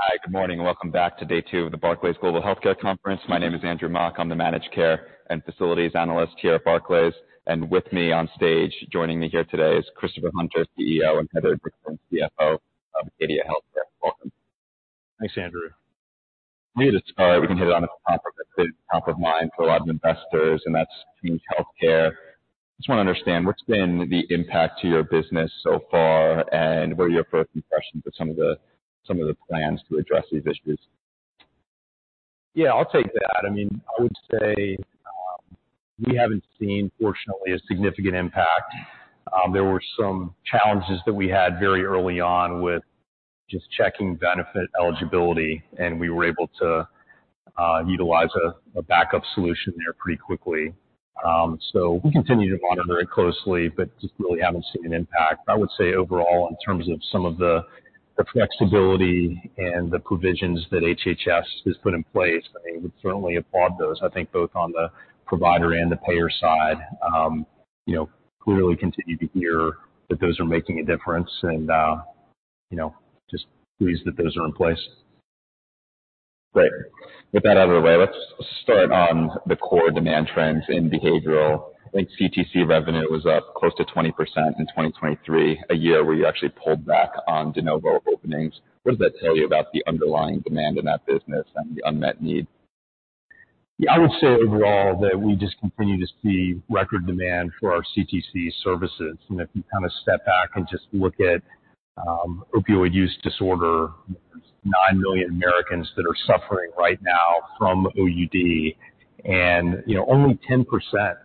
Hi, good morning. Welcome back to day two of the Barclays Global Healthcare Conference. My name is Andrew Mok. I'm the Managed Care and Facilities Analyst here at Barclays, and with me on stage joining me here today is Christopher Hunter, CEO, and Heather Dixon, CFO of Acadia Healthcare. Welcome. Thanks, Andrew. Great to start. We can hit it on the top of it. It's top of mind for a lot of investors, and that's Change Healthcare. I just want to understand, what's been the impact to your business so far, and what are your first impressions of some of the plans to address these issues? Yeah, I'll take that. I mean, I would say we haven't seen, fortunately, a significant impact. There were some challenges that we had very early on with just checking benefit eligibility, and we were able to utilize a backup solution there pretty quickly. So we continue to monitor it closely, but just really haven't seen an impact. I would say overall, in terms of some of the flexibility and the provisions that HHS has put in place, I mean, we certainly applaud those. I think both on the provider and the payer side, clearly continue to hear that those are making a difference and just pleased that those are in place. Great. With that out of the way, let's start on the core demand trends in behavioral. I think CTC revenue was up close to 20% in 2023, a year where you actually pulled back on de novo openings. What does that tell you about the underlying demand in that business and the unmet need? Yeah, I would say overall that we just continue to see record demand for our CTC services. And if you kind of step back and just look at opioid use disorder, there's nine million Americans that are suffering right now from OUD, and only 10% of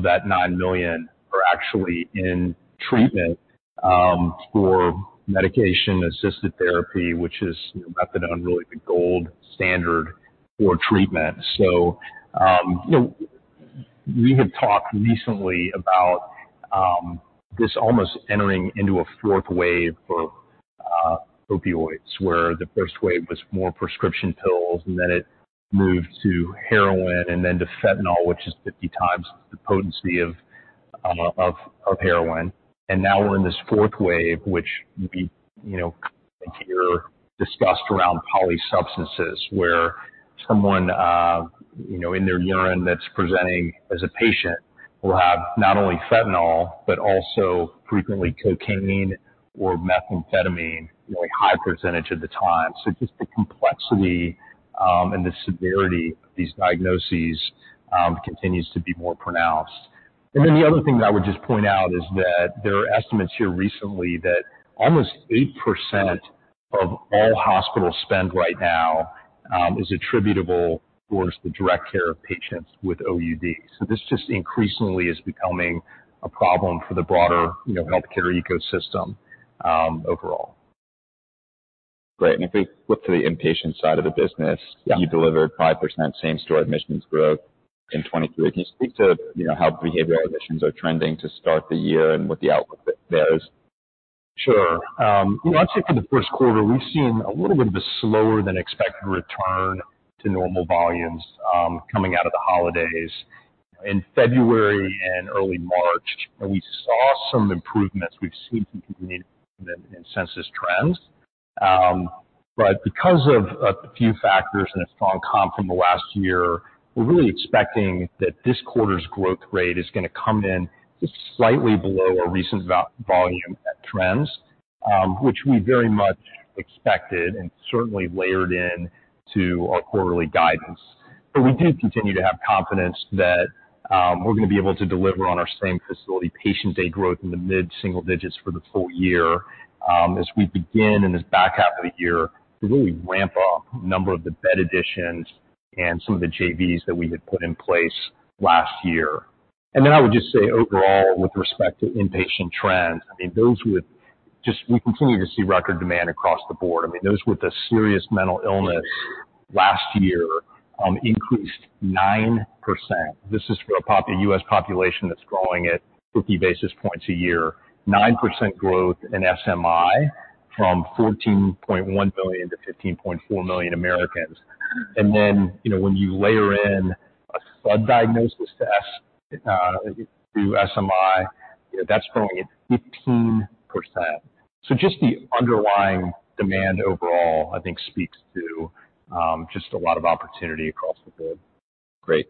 that nine million are actually in treatment for medication-assisted therapy, which is methadone, really the gold standard for treatment. So we have talked recently about this almost entering into a fourth wave for opioids, where the first wave was more prescription pills, and then it moved to heroin, and then to fentanyl, which is 50 times the potency of heroin. And now we're in this fourth wave, which we hear discussed around polysubstances, where someone in their urine that's presenting as a patient will have not only fentanyl but also frequently cocaine or methamphetamine a high percentage of the time. Just the complexity and the severity of these diagnoses continues to be more pronounced. Then the other thing that I would just point out is that there are estimates here recently that almost 8% of all hospital spend right now is attributable toward the direct care of patients with OUD. This just increasingly is becoming a problem for the broader healthcare ecosystem overall. Great. If we flip to the inpatient side of the business, you delivered 5% same-store admissions growth in 2023. Can you speak to how behavioral admissions are trending to start the year and what the outlook there is? Sure. I'd say for the first quarter, we've seen a little bit of a slower-than-expected return to normal volumes coming out of the holidays. In February and early March, we saw some improvements. We've seen some continued improvement in census trends. But because of a few factors and a strong comp from the last year, we're really expecting that this quarter's growth rate is going to come in just slightly below our recent volume at trends, which we very much expected and certainly layered into our quarterly guidance. But we do continue to have confidence that we're going to be able to deliver on our same-facility patient-day growth in the mid-single digits for the full year as we begin and this back half of the year to really ramp up the number of the bed additions and some of the JVs that we had put in place last year. I would just say overall, with respect to inpatient trends, I mean, we just continue to see record demand across the board. I mean, those with a serious mental illness last year increased 9%. This is for a U.S. population that's growing at 50 basis points a year, 9% growth in SMI from 14.1 million to 15.4 million Americans. And then when you layer in a SUD diagnosis on top of SMI, that's growing at 15%. So just the underlying demand overall, I think, speaks to just a lot of opportunity across the board. Great.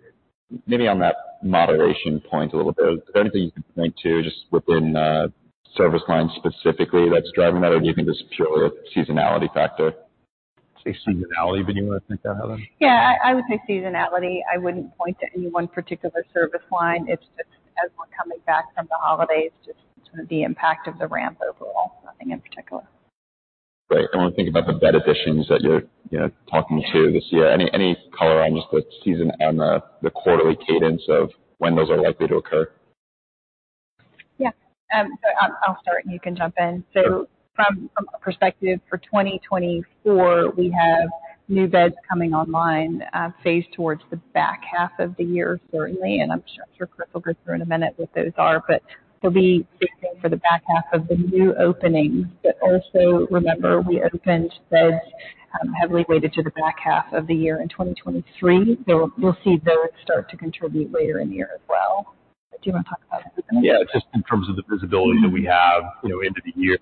Maybe on that moderation point a little bit, is there anything you can point to just within service lines specifically that's driving that, or do you think it's purely a seasonality factor? Say seasonality, but you want to think that, Heather? Yeah, I would say seasonality. I wouldn't point to any one particular service line. It's just as we're coming back from the holidays, just sort of the impact of the ramp overall. Nothing in particular. Great. And when we think about the bed additions that you're talking to this year, any color on just the season on the quarterly cadence of when those are likely to occur? Yeah. So I'll start, and you can jump in. So from our perspective, for 2024, we have new beds coming online, phased towards the back half of the year, certainly. And I'm sure Chris will go through in a minute what those are, but there'll be phasing for the back half of the new openings. But also remember, we opened beds heavily weighted to the back half of the year in 2023. So you'll see those start to contribute later in the year as well. Do you want to talk about that a little bit? Yeah, just in terms of the visibility that we have into the year,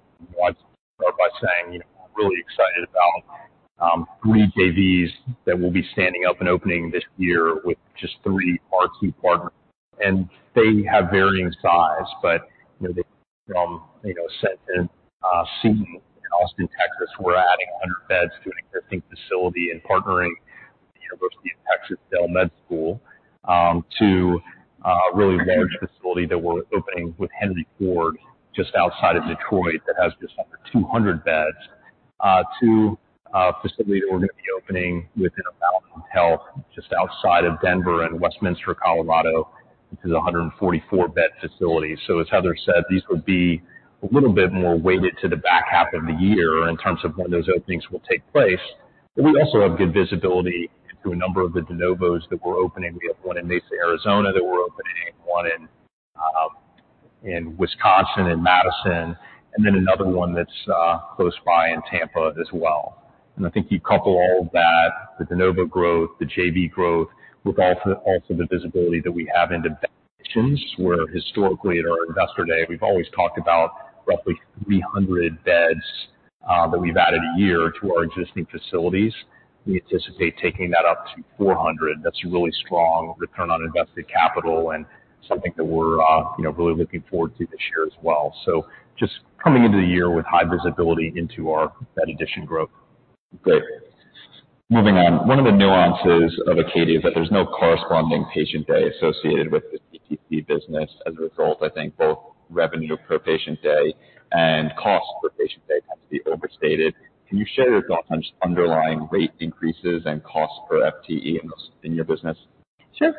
I'd start by saying I'm really excited about 3 JVs that will be standing up and opening this year with just 3 of our partners. And they have varying sizes, but from Ascension Seton in Austin, Texas, we're adding 100 beds to an inpatient facility in partnering with the University of Texas Dell Med School, to a really large facility that we're opening with Henry Ford just outside of Detroit that has just under 200 beds, to a facility that we're going to be opening within Intermountain Health just outside of Denver and Westminster, Colorado, which is a 144-bed facility. So as Heather said, these would be a little bit more weighted to the back half of the year in terms of when those openings will take place. We also have good visibility into a number of the de novos that we're opening. We have one in Mesa, Arizona, that we're opening, one in Madison, Wisconsin, and then another one that's close by in Tampa, Florida, as well. I think you couple all of that, the de novo growth, the JV growth, with also the visibility that we have into bed additions, where historically, at our Investor Day, we've always talked about roughly 300 beds that we've added a year to our existing facilities. We anticipate taking that up to 400. That's a really strong return on invested capital and something that we're really looking forward to this year as well. Just coming into the year with high visibility into our bed addition growth. Great. Moving on, one of the nuances of Acadia is that there's no corresponding patient day associated with the CTC business. As a result, I think both revenue per patient day and cost per patient day tend to be overstated. Can you share your thoughts on just underlying rate increases and cost per FTE in your business? Sure.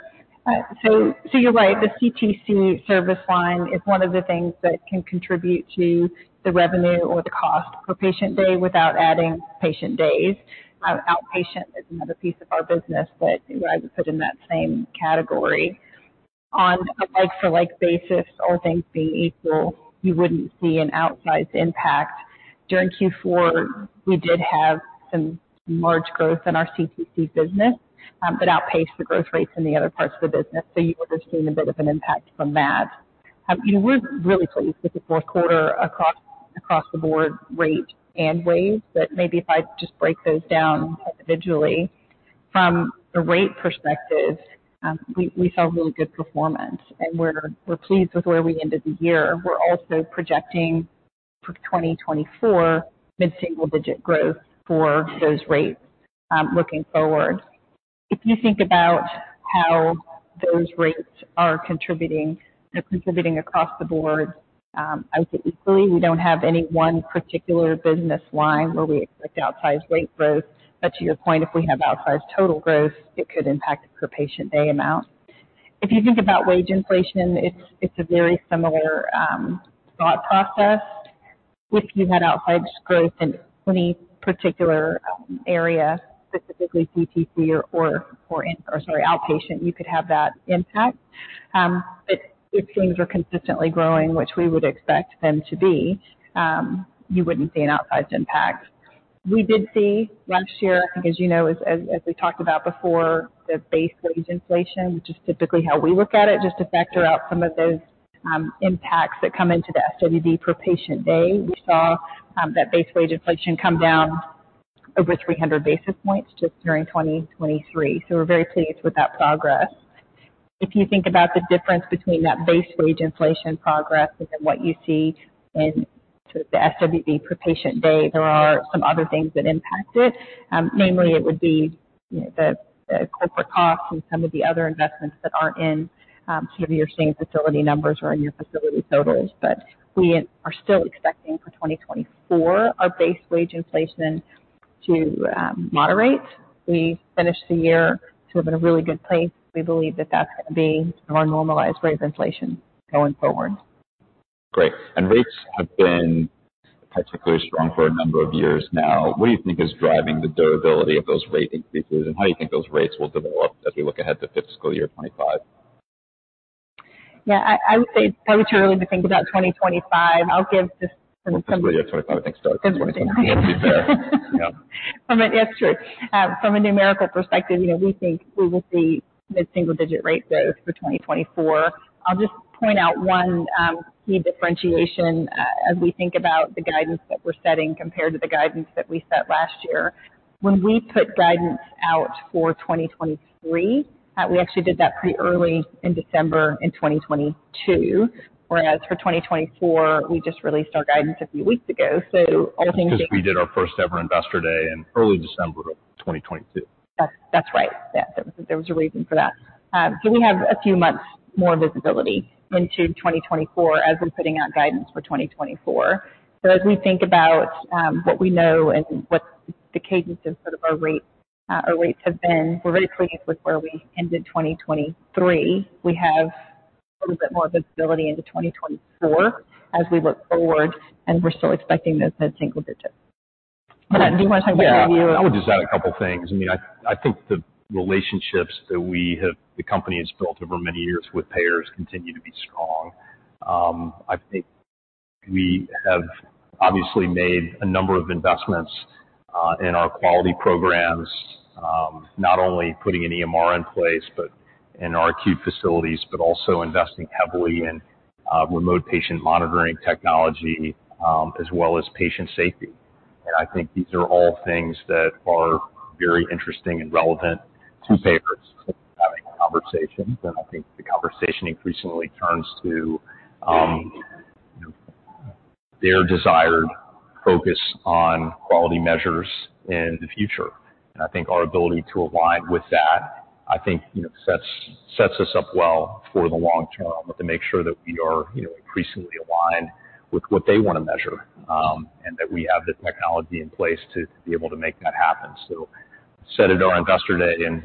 So you're right. The CTC service line is one of the things that can contribute to the revenue or the cost per patient day without adding patient days. Outpatient is another piece of our business that I would put in that same category. On a like-for-like basis, all things being equal, you wouldn't see an outsized impact. During Q4, we did have some large growth in our CTC business that outpaced the growth rates in the other parts of the business. So you would have seen a bit of an impact from that. We're really pleased with the fourth quarter across the board rate and volume. But maybe if I just break those down individually, from a rate perspective, we saw really good performance, and we're pleased with where we ended the year. We're also projecting for 2024 mid-single-digit growth for those rates looking forward. If you think about how those rates are contributing across the board, I would say equally. We don't have any one particular business line where we expect outsized rate growth. But to your point, if we have outsized total growth, it could impact the per patient day amount. If you think about wage inflation, it's a very similar thought process. If you had outsized growth in any particular area, specifically CTC or outpatient, you could have that impact. But if things are consistently growing, which we would expect them to be, you wouldn't see an outsized impact. We did see last year, I think, as you know, as we talked about before, the base wage inflation, which is typically how we look at it, just to factor out some of those impacts that come into the SWB per patient day. We saw that base wage inflation come down over 300 basis points just during 2023. So we're very pleased with that progress. If you think about the difference between that base wage inflation progress and then what you see in sort of the SWB per patient day, there are some other things that impact it. Namely, it would be the corporate costs and some of the other investments that aren't in sort of your same-facility numbers or in your facility totals. But we are still expecting for 2024 our base wage inflation to moderate. We finished the year sort of in a really good place. We believe that that's going to be sort of our normalized rate of inflation going forward. Great. And rates have been particularly strong for a number of years now. What do you think is driving the durability of those rate increases, and how do you think those rates will develop as we look ahead to fiscal year 2025? Yeah, I would say probably too early to think about 2025. I'll give just some. Fiscal year 2025, I think, starts in 2025. We have to be fair. Yeah. Yeah, it's true. From a numerical perspective, we think we will see mid-single digit rate growth for 2024. I'll just point out one key differentiation as we think about the guidance that we're setting compared to the guidance that we set last year. When we put guidance out for 2023, we actually did that pretty early in December in 2022, whereas for 2024, we just released our guidance a few weeks ago. So all things being. Because we did our first-ever Investor Day in early December of 2022. That's right. Yes, there was a reason for that. So we have a few months more visibility into 2024 as we're putting out guidance for 2024. So as we think about what we know and what the cadence of sort of our rates have been, we're very pleased with where we ended 2023. We have a little bit more visibility into 2024 as we look forward, and we're still expecting those mid-single digits. But do you want to talk about your view? Yeah, I would just add a couple of things. I mean, I think the relationships that the company has built over many years with payers continue to be strong. I think we have obviously made a number of investments in our quality programs, not only putting an EMR in place in our acute facilities but also investing heavily in remote patient monitoring technology as well as patient safety. And I think these are all things that are very interesting and relevant to payers having conversations. And I think the conversation increasingly turns to their desired focus on quality measures in the future. And I think our ability to align with that, I think, sets us up well for the long term to make sure that we are increasingly aligned with what they want to measure and that we have the technology in place to be able to make that happen. I said at our Investor Day and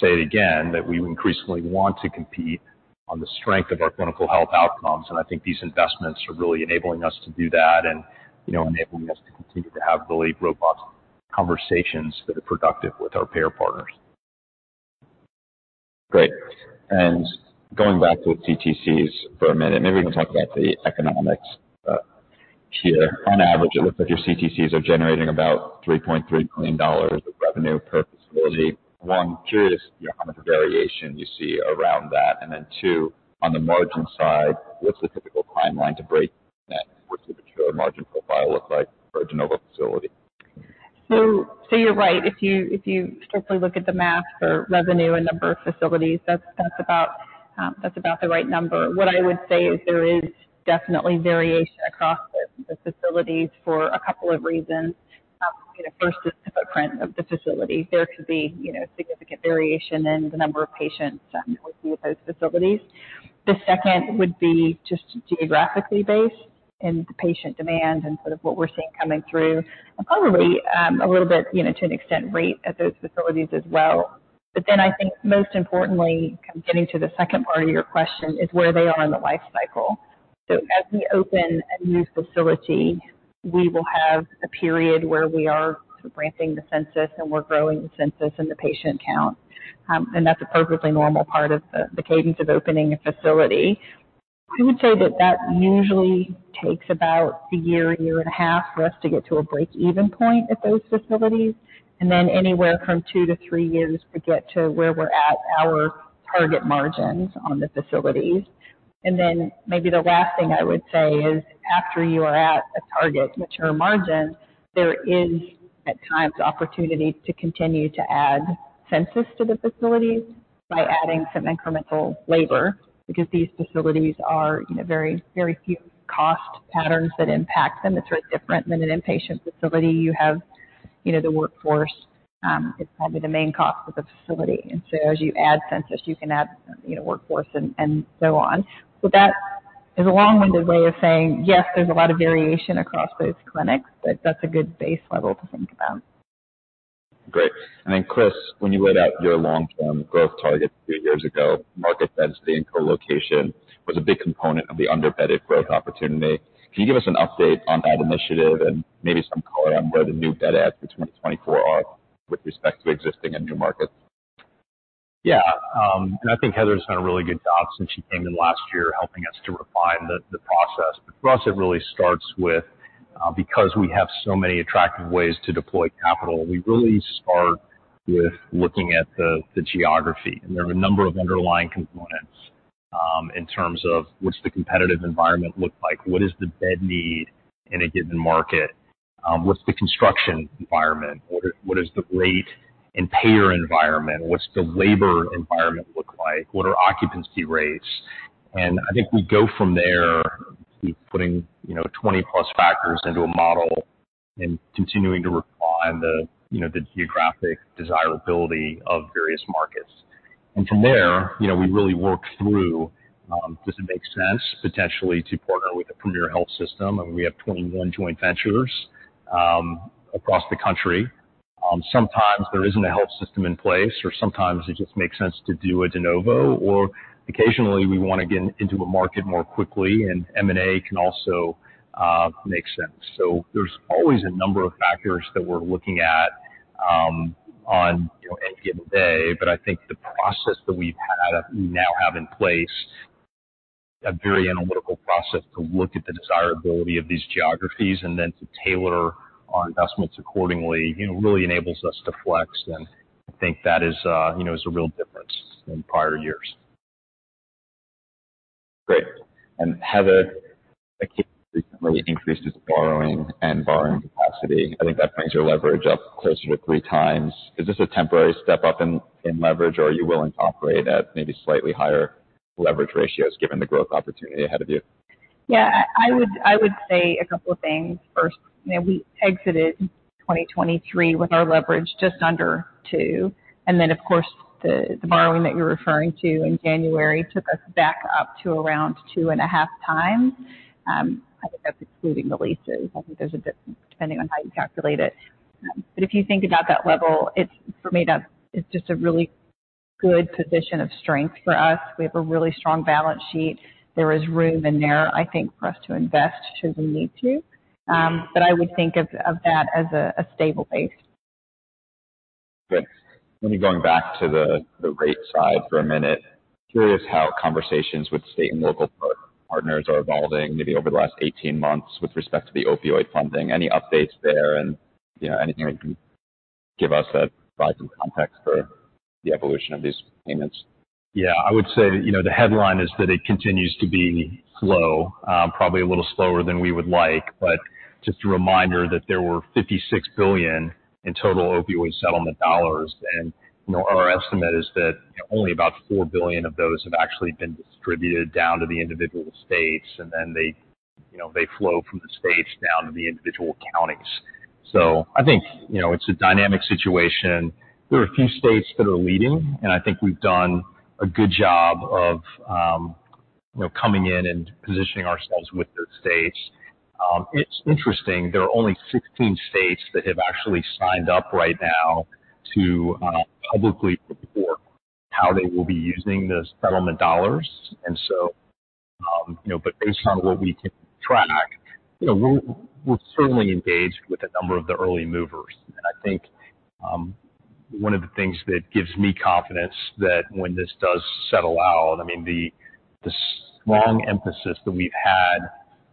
say it again, that we increasingly want to compete on the strength of our clinical health outcomes. I think these investments are really enabling us to do that and enabling us to continue to have really robust conversations that are productive with our payer partners. Great. And going back to the CTCs for a minute, maybe we can talk about the economics here. On average, it looks like your CTCs are generating about $3.3 million of revenue per facility. One, I'm curious how much variation you see around that. And then two, on the margin side, what's the typical timeline to break that? What's the mature margin profile look like for a de novo facility? So you're right. If you strictly look at the math for revenue and number of facilities, that's about the right number. What I would say is there is definitely variation across the facilities for a couple of reasons. First is the footprint of the facility. There could be significant variation in the number of patients that we see at those facilities. The second would be just geographically based in the patient demand and sort of what we're seeing coming through and probably a little bit, to an extent, rate at those facilities as well. But then I think most importantly, getting to the second part of your question, is where they are in the lifecycle. So as we open a new facility, we will have a period where we are sort of ramping the census and we're growing the census and the patient count. And that's a perfectly normal part of the cadence of opening a facility. I would say that that usually takes about a year, 1.5 years for us to get to a break-even point at those facilities and then anywhere from two to three years to get to where we're at our target margins on the facilities. And then maybe the last thing I would say is after you are at a target mature margin, there is at times opportunity to continue to add census to the facilities by adding some incremental labor because these facilities are very, very few cost patterns that impact them. It's very different than an inpatient facility. You have the workforce. It's probably the main cost of the facility. And so as you add census, you can add workforce and so on. That is a long-winded way of saying, yes, there's a lot of variation across those clinics, but that's a good base level to think about. Great. Then Chris, when you laid out your long-term growth targets two years ago, market density and colocation was a big component of the underbedded growth opportunity. Can you give us an update on that initiative and maybe some color on where the new bed adds for 2024 are with respect to existing and new markets? Yeah. And I think Heather's done a really good job since she came in last year helping us to refine the process. But for us, it really starts with because we have so many attractive ways to deploy capital, we really start with looking at the geography. And there are a number of underlying components in terms of what's the competitive environment look like? What is the bed need in a given market? What's the construction environment? What is the rate and payer environment? What's the labor environment look like? What are occupancy rates? And I think we go from there to putting 20+ factors into a model and continuing to refine the geographic desirability of various markets. And from there, we really work through, does it make sense, potentially, to partner with a premier health system? And we have 21 joint ventures across the country. Sometimes there isn't a health system in place, or sometimes it just makes sense to do a de novo. Or occasionally, we want to get into a market more quickly, and M&A can also make sense. So there's always a number of factors that we're looking at on any given day. But I think the process that we've had that we now have in place, a very analytical process to look at the desirability of these geographies and then to tailor our investments accordingly, really enables us to flex. And I think that is a real difference than prior years. Great. Heather, Acadia recently increased its borrowing and borrowing capacity. I think that brings your leverage up closer to three times. Is this a temporary step up in leverage, or are you willing to operate at maybe slightly higher leverage ratios given the growth opportunity ahead of you? Yeah, I would say a couple of things. First, we exited 2023 with our leverage just under two. And then, of course, the borrowing that you're referring to in January took us back up to around 2.5 times. I think that's excluding the leases. I think there's a depending on how you calculate it. But if you think about that level, for me, it's just a really good position of strength for us. We have a really strong balance sheet. There is room in there, I think, for us to invest should we need to. But I would think of that as a stable base. Great. Let me go back to the rate side for a minute. Curious how conversations with state and local partners are evolving maybe over the last 18 months with respect to the opioid funding. Any updates there and anything that you can give us that provides some context for the evolution of these payments? Yeah, I would say the headline is that it continues to be slow, probably a little slower than we would like. But just a reminder that there were $56 billion in total opioid settlement dollars. And our estimate is that only about $4 billion of those have actually been distributed down to the individual states, and then they flow from the states down to the individual counties. So I think it's a dynamic situation. There are a few states that are leading, and I think we've done a good job of coming in and positioning ourselves with those states. It's interesting. There are only 16 states that have actually signed up right now to publicly report how they will be using the settlement dollars. And so but based on what we can track, we're certainly engaged with a number of the early movers. I think one of the things that gives me confidence that when this does settle out, I mean, the strong emphasis that we've had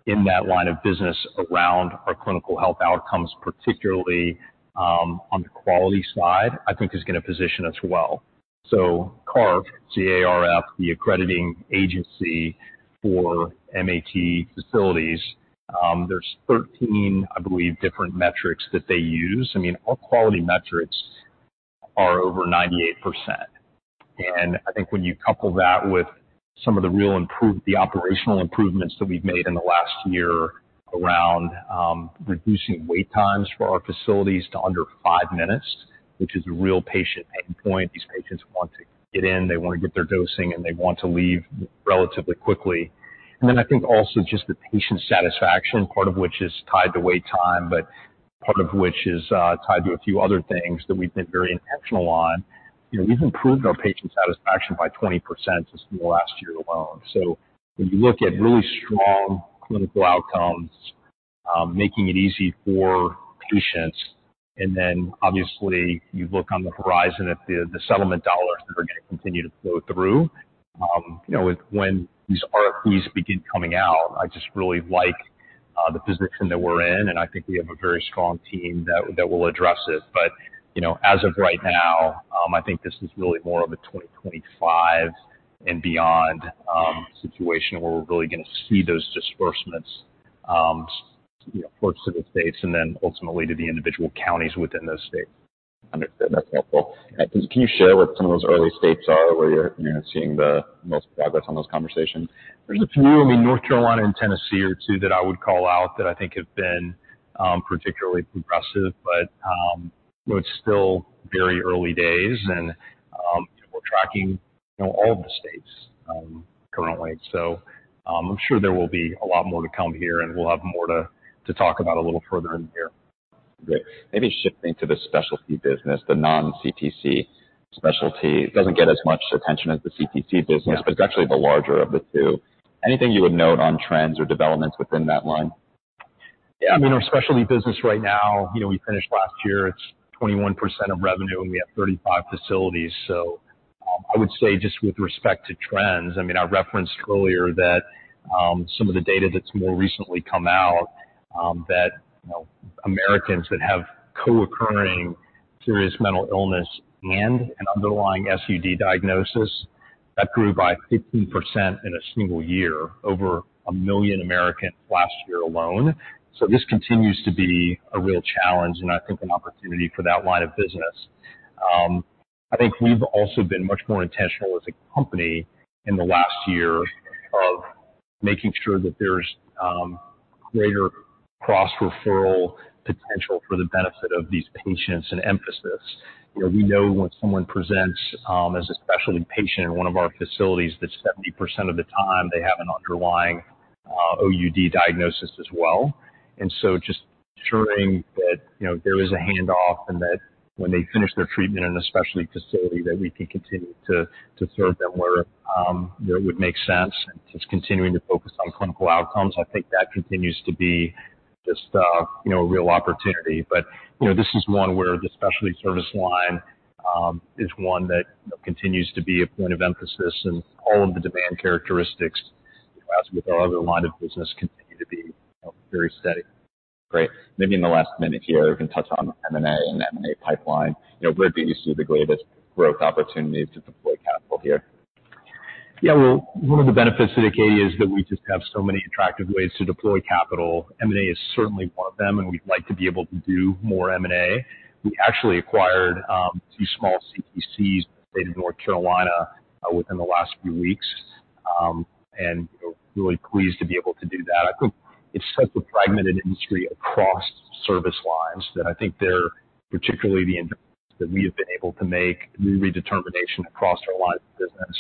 in that line of business around our clinical health outcomes, particularly on the quality side, I think is going to position us well. So CARF, the accrediting agency for MAT facilities, there's 13, I believe, different metrics that they use. I mean, our quality metrics are over 98%. And I think when you couple that with some of the real operational improvements that we've made in the last year around reducing wait times for our facilities to under five minutes, which is a real patient pain point. These patients want to get in. They want to get their dosing, and they want to leave relatively quickly. And then I think also just the patient satisfaction, part of which is tied to wait time but part of which is tied to a few other things that we've been very intentional on. We've improved our patient satisfaction by 20% just in the last year alone. So when you look at really strong clinical outcomes, making it easy for patients, and then obviously, you look on the horizon at the settlement dollars that are going to continue to flow through, when these RFPs begin coming out, I just really like the position that we're in. And I think we have a very strong team that will address it. But as of right now, I think this is really more of a 2025 and beyond situation where we're really going to see those disbursements first to the states and then ultimately to the individual counties within those states. Understood. That's helpful. Can you share what some of those early states are where you're seeing the most progress on those conversations? A few. I mean, North Carolina and Tennessee are two that I would call out that I think have been particularly progressive. But it's still very early days, and we're tracking all of the states currently. So I'm sure there will be a lot more to come here, and we'll have more to talk about a little further in the year. Great. Maybe shifting to the specialty business, the non-CTC specialty. It doesn't get as much attention as the CTC business, but it's actually the larger of the two. Anything you would note on trends or developments within that line? Yeah, I mean, our specialty business right now, we finished last year. It's 21% of revenue, and we have 35 facilities. So I would say just with respect to trends, I mean, I referenced earlier that some of the data that's more recently come out, that Americans that have co-occurring serious mental illness and an underlying SUD diagnosis, that grew by 15% in a single year over 1 million Americans last year alone. So this continues to be a real challenge and I think an opportunity for that line of business. I think we've also been much more intentional as a company in the last year of making sure that there's greater cross-referral potential for the benefit of these patients and emphasis. We know when someone presents as a specialty patient in one of our facilities that 70% of the time, they have an underlying OUD diagnosis as well. And so just ensuring that there is a handoff and that when they finish their treatment in a specialty facility, that we can continue to serve them where it would make sense and just continuing to focus on clinical outcomes. I think that continues to be just a real opportunity. But this is one where the specialty service line is one that continues to be a point of emphasis, and all of the demand characteristics, as with our other line of business, continue to be very steady. Great. Maybe in the last minute here, we can touch on M&A and the M&A pipeline. Where do you see the greatest growth opportunities to deploy capital here? Yeah, well, one of the benefits at Acadia is that we just have so many attractive ways to deploy capital. M&A is certainly one of them, and we'd like to be able to do more M&A. We actually acquired two small CTCs in the state of North Carolina within the last few weeks and really pleased to be able to do that. I think it's such a fragmented industry across service lines that I think they're particularly the industry that we have been able to make [audio distortion} across our lines of business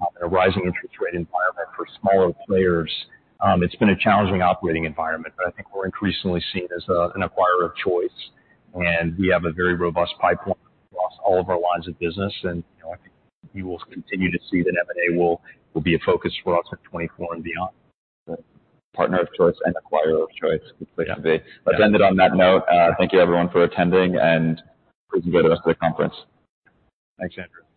and a rising interest rate environment for smaller players. It's been a challenging operating environment, but I think we're increasingly seen as an acquirer of choice. And we have a very robust pipeline across all of our lines of business. I think you will continue to see that M&A will be a focus for us in 2024 and beyond. Good. Partner of choice and acquirer of choice. Good place to be. I've ended on that note. Thank you, everyone, for attending, and please enjoy the rest of the conference. Thanks, Andrew.